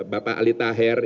bapak ali taher